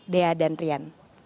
dea dan rian